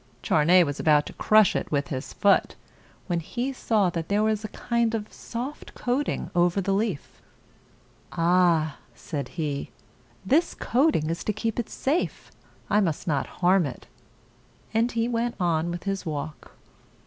Charney was about to crush it with his foot, when he saw that there was a kind of soft coating over the leaf. "Ah!" said he. "This coating is to keep it safe. I must not harm it." And he went on with his walk.